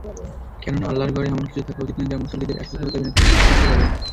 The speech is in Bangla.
কেননা, আল্লাহর ঘরে এমন কিছু থাকা উচিত নয় যা মুসল্লিদের একাগ্রতা বিনষ্ট করে।